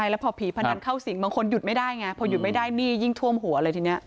แล้วพอผีพนันเข้าสิงบางคนหยุดไม่ได้ไงพอหยุดไม่ได้หนี้ยิ่งท่วมหัวเลยทีนี้